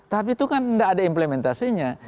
tapi itu kan tidak ada implementasinya